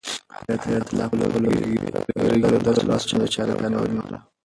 حیات الله په خپلو ریږېدلو لاسونو د چایو پیاله ونیوله.